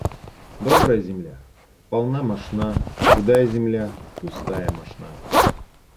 Добрая земля - полная мошна, худая земля - пустая мошна.